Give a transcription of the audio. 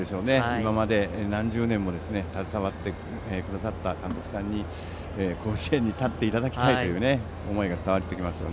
今まで何十年も携わってくださった監督さんに甲子園に立っていただきたいという思いが伝わってきますよ。